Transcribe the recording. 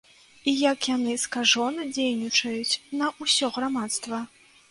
І як яны скажона дзейнічаюць на ўсё грамадства.